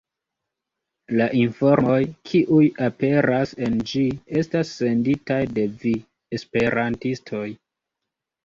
La informoj, kiuj aperas en ĝi, estas senditaj de vi, esperantistoj.